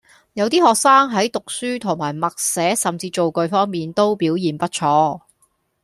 有啲學生喺讀書同埋默寫甚至造句方面都表現不錯